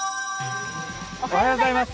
おはようございます。